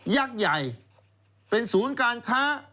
ยักษ์ใหญ่เป็นศูนย์การค้า